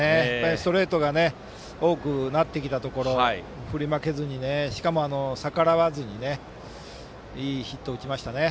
ストレートが多くなってきたところ振り負けずに、しかも逆らわずにいいヒットを打ちました。